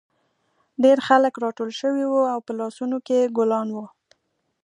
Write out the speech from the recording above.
ډېر خلک راټول شوي وو او په لاسونو کې یې ګلان وو